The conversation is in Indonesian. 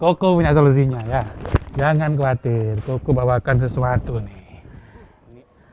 toko punya solusinya ya jangan khawatir toko bawakan sesuatu nih